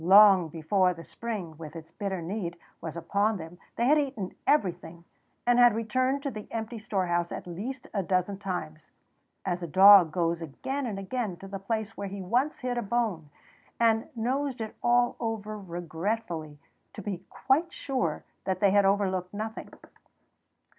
Long before the spring with its bitter need was upon them they had eaten everything, and had returned to the empty storehouse at least a dozen times, as a dog goes again and again to the place where he once hid a bone, and nosed it all over regretfully to be quite sure that they had overlooked nothing.